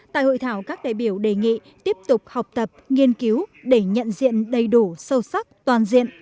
tại hội thảo các đại biểu đề nghị tiếp tục học tập nghiên cứu để nhận diện đầy đủ sâu sắc toàn diện